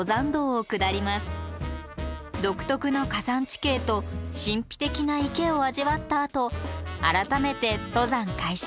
独特の火山地形と神秘的な池を味わったあと改めて登山開始。